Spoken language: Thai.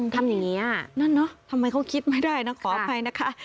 ทำอย่างนี้นั่นเนอะทำไมเขาคิดไม่ได้นะขออภัยนะคะ